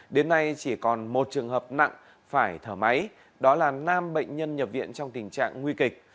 đến nay chỉ còn một trường hợp nặng phải thở máy đó là năm bệnh nhân nhập viện trong tình trạng nguy kịch